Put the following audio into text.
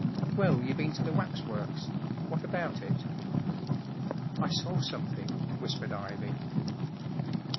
Well, you been to the waxworks. What about it ?" 44 I saw something," whispered Ivy.